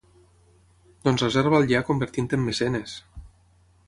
Doncs reserva’l ja convertint-te en mecenes!